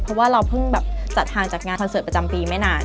เพราะว่าเราเพิ่งแบบจัดทางจัดงานคอนเสิร์ตประจำปีไม่นาน